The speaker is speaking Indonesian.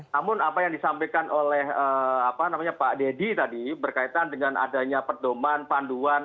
namun apa yang disampaikan oleh pak deddy tadi berkaitan dengan adanya perdoman panduan